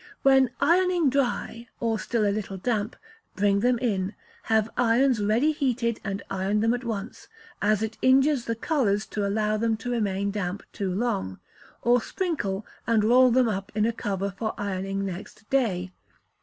When ironing dry (or still a little damp), bring them in; have irons ready heated, and iron them at once as it injures the colours to allow them to remain damp too long or sprinkle and roll them up in a cover for ironing next day.